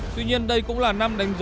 tuy nhiên đây cũng là năm đánh dấu bước